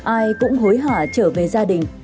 ai cũng hối hả trở về gia đình